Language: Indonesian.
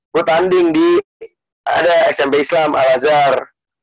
gue tanding di smp islam al azhar